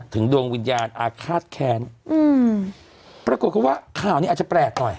ดวงวิญญาณอาฆาตแค้นอืมปรากฏเขาว่าข่าวนี้อาจจะแปลกหน่อย